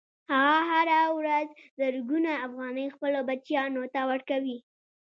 هغه هره ورځ زرګونه افغانۍ خپلو بچیانو ته ورکوي